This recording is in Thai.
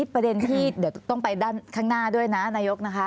ประเด็นที่ต้องไปข้างหน้าด้วยนะนายก